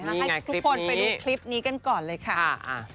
ให้ทุกคนไปดูคลิปนี้กันก่อนเลยค่ะ